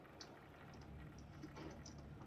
悦来镇是四川省成都市大邑县所辖的一个镇。